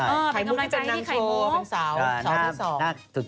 เป็นกำลังใจให้ไขมุก